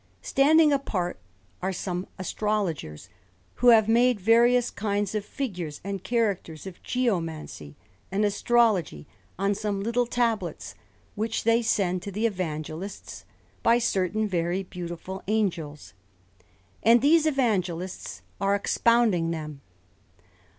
Standing apart are some astrologers, who have made various kinds of figures and characters of geomancy and astrology on some little tablets, which they send to the Evangelists by certain very beautiful angels; and these Evangelists are expounding them.